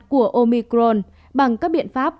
của omicron bằng các biện pháp